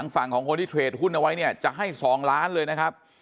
ฝั่งของคนที่เทรดหุ้นเอาไว้เนี่ยจะให้๒ล้านเลยนะครับ